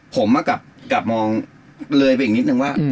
ผมกลับมองเลยไปอีกนิดนึงว่า